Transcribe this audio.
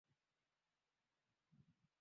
ni sauti yake esam elarim